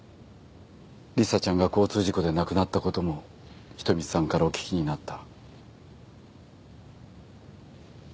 理沙ちゃんが交通事故で亡くなった事も仁美さんからお聞きになった。